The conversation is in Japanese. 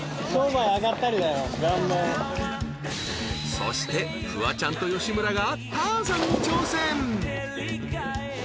［そしてフワちゃんと吉村が］